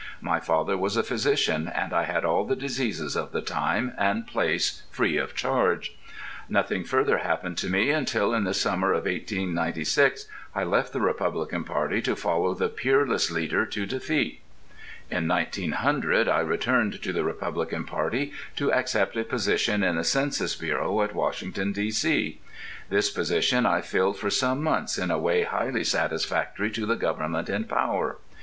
My father was a physician, and I had all the diseases of the time and place free of charge. Nothing further happened to me until, in the summer of 1896, I left the Republican party to follow the Peerless Leader to defeat. In 1900 I returned to the Republican party to accept a position in the Census Bureau, at Washington, D.C. This position I filled for some months in a way highly satisfactory to the Government in power.